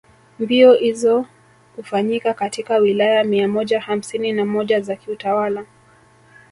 Mbio izo ufanyika katika Wilaya mia moja hamsini na moja za kiutawala